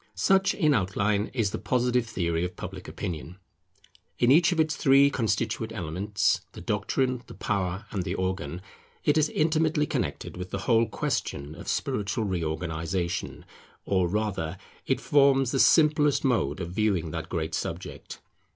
Such, in outline, is the Positive theory of Public Opinion. In each of its three constituent elements, the Doctrine, the Power, and the Organ, it is intimately connected with the whole question of spiritual reorganization; or rather, it forms the simplest mode of viewing that great subject.